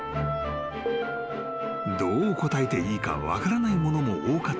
［どう答えていいか分からないものも多かったのだが］